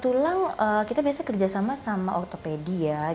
kalau susunan tulang kita biasanya kerjasama sama ortopedi ya